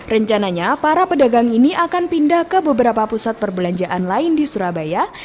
rencananya para pedagang ini akan pindah ke beberapa pusat perbelanjaan lain di surabaya